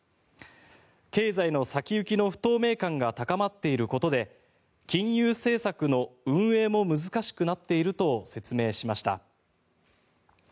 経済の先行きの不透明感が高まっていることで金融政策の運営も難しくなっていると説明しました。